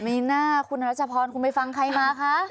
มีหน้าคุณรัชพรคุณไปฟังใครมาคะ